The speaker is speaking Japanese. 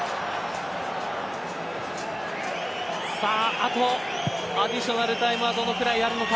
あとアディショナルタイムはどれぐらいあるのか。